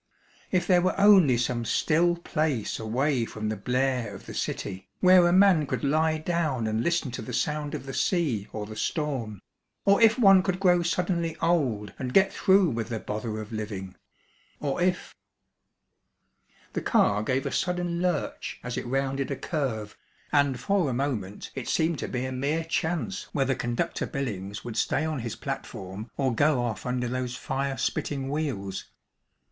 If there were only some still place away from the blare of the city where a man could lie down and listen to the sound of the sea or the storm or if one could grow suddenly old and get through with the bother of living or if The car gave a sudden lurch as it rounded a curve, and for a moment it seemed to be a mere chance whether Conductor Billings would stay on his platform or go off under those fire spitting wheels.